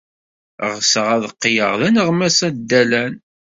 Ɣseɣ ad qqleɣ d aneɣmas addalan.